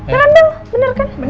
ya kan bener kan